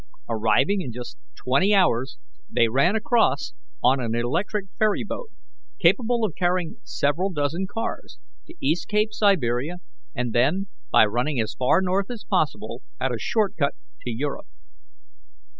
Arriving in just twenty hours, they ran across on an electric ferry boat, capable of carrying several dozen cars, to East Cape, Siberia, and then, by running as far north as possible, had a short cut to Europe.